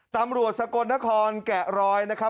ตำรวจสกลนครแกะรอยนะครับ